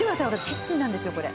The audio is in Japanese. キッチンなんですよ